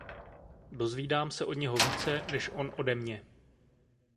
Dozvídám se od něho více než on ode mě.